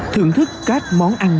thưởng thức các món ăn